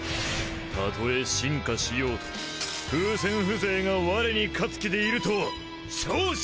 たとえ進化しようと風船ふぜいがワレに勝つ気でいるとは笑止！